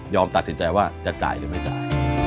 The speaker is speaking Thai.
ตัดสินใจว่าจะจ่ายหรือไม่จ่าย